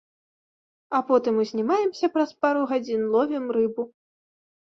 А потым узнімаемся праз пару гадзін, ловім рыбу.